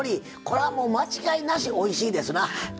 これはもう間違いなしおいしいですな。